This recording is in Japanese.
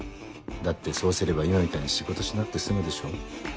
だってそうすれば今みたいに仕事しなくて済むでしょ。